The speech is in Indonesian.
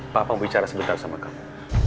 papa mau bicara sebentar sama kamu